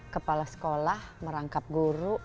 kepala sekolah merangkap guru